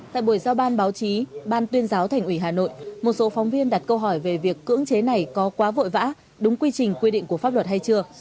tại buổi giao ban báo chí ban tuyên giáo thành ủy hà nội một số phóng viên đặt câu hỏi về việc cưỡng chế này có quá vội vã đúng quy trình quy định của pháp luật hay chưa